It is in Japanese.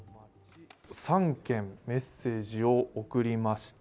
３件、メッセージを送りました。